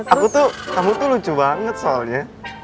aku tuh kamu tuh lucu banget soalnya